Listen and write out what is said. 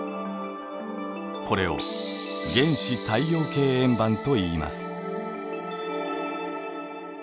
これを原始太陽系円盤といいます。